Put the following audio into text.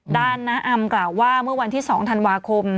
น้าอำกล่าวว่าเมื่อวันที่๒ธันวาคม